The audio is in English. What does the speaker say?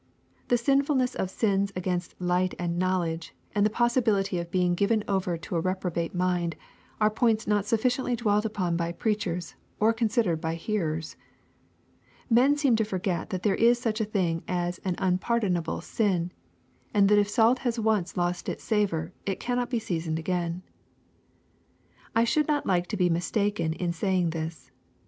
The sinfulness of sins against light and knowledge, and the possibility of being given over to a reprobate mind, are points not sufficientiy dwelt upon by preachers, or considered by hearers. Men seem to forget that iJiere is such a thing as an unpardonable sin,— and that if salt has once lost its savor, it cannot be seasoned again. I should not like to be mistaken in saying this.